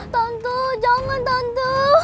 tante jangan tante